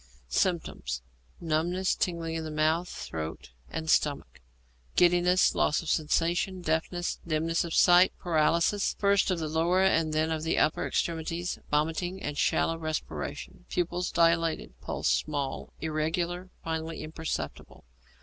Symptoms. Numbness and tingling in mouth, throat, and stomach, giddiness, loss of sensation, deafness, dimness of sight, paralysis, first of the lower and then of the upper extremities, vomiting, and shallow respiration. Pupils dilated. Pulse small, irregular, finally imperceptible.